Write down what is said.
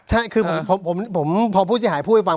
ใช่คือผมพอผู้เสียหายพูดให้ฟัง